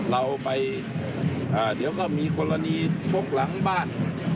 เราไปเดี๋ยวก็มีกรณีชกหลังบ้าน